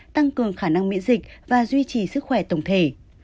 tăng cường khả năng miễn dịch và duy trì sức khỏe tổng thể